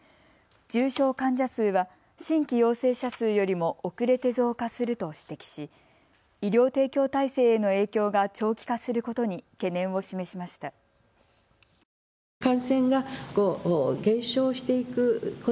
重症患者数は新規陽性者数よりも遅れて増加すると指摘し医療提供体制への影響が長期化することに懸念を示しました。